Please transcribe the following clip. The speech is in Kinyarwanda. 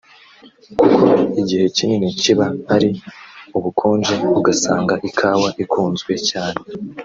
kuko igihe kinini kiba ari ubukonje ugasanga ikawa ikunzwe cyane